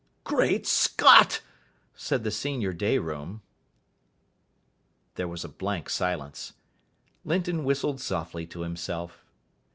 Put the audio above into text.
_" "Great Scott!" said the senior day room. There was a blank silence. Linton whistled softly to himself.